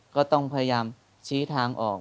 ก็ต้องพยายามชี้ทางออก